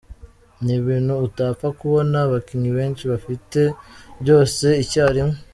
Ni ibintu utapfa kubona abakinnyi benshi babifite byose icya rimwe.